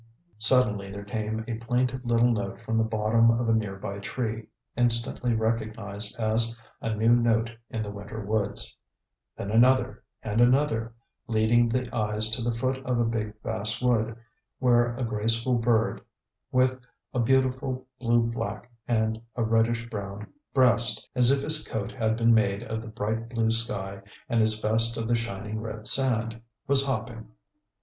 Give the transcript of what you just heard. Suddenly there came a plaintive little note from the bottom of a near by tree, instantly recognized as a new note in the winter woods. Then another, and another, leading the eyes to the foot of a big bass wood, where a graceful bird, with a beautiful blue back and a reddish brown breast, as if his coat had been made of the bright blue sky and his vest of the shining red sand, was hopping.